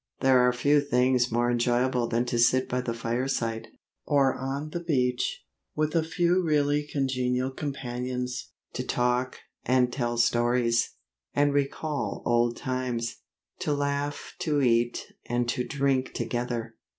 There are few things more enjoyable than to sit by the fireside, or on the beach, with a few really congenial companions, to talk, and tell stories, and recall old times; to laugh, to eat, and to drink together.